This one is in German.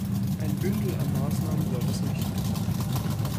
Ein Bündel an Maßnahmen soll es richten.